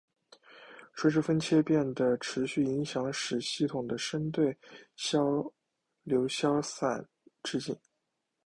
垂直风切变的持续影响使系统的深对流消散殆尽。